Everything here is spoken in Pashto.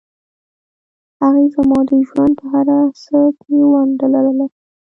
هغې زما د ژوند په هرڅه کې ونډه لرله